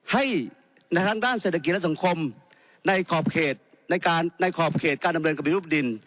ให้ในทางด้านเศรษฐกิจและสังคมในขอบเขตการดำเนินการเป็นรูปดิน